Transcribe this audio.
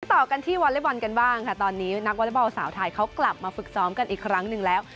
ต่อกันที่วอเล็กบอลกันบ้างค่ะตอนนี้นักวอเล็กบอลสาวไทยเขากลับมาฝึกซ้อมกันอีกครั้งหนึ่งแล้ว